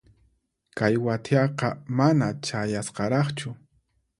Kay wathiaqa mana chayasqaraqchu.